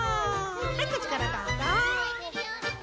はいこっちからどうぞ。